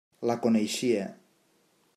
La coneixia.